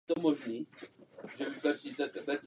Ten nakonec zaplatil polovinu.